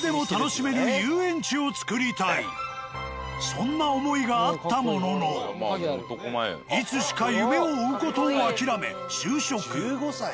そんな思いがあったもののいつしか夢を追う事を諦め就職。